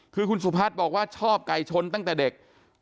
คือคุณสุพัฒน์บอกว่าชอบไก่ชนตั้งแต่เด็ก